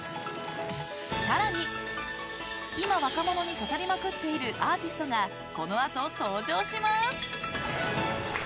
更に今、若者に刺さりまくっているアーティストがこのあと登場します！